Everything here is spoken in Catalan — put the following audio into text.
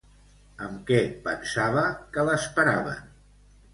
Amb què pensava que l'esperaven?